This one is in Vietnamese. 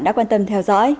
đã quan tâm theo dõi